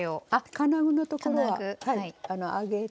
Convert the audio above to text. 金具のところは上げて。